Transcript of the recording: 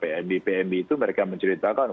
pmi pmi itu mereka menceritakan